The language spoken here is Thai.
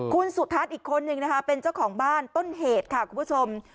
คุณสุทัศน์อีกคนนึงนะคะเป็นเจ้าของบ้านต้นเหตุค่ะคุณผู้ชม